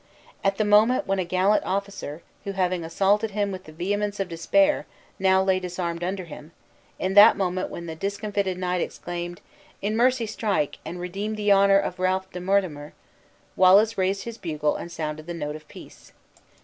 At the moment when a gallant officer, who, having assaulted him with the vehemence of despair, now lay disarmed under him; at that moment when the discomfited knight exclaimed, "In mercy strike, and redeem the honor of Ralph de Monthermer!" Wallace raised his bugle and sounded the note of peace.